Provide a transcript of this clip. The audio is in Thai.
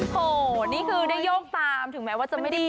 โหนี่คือได้โยกตามถึงแม้ว่าจะไม่ได้